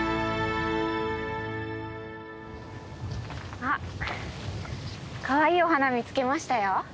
あっかわいいお花見つけましたよ。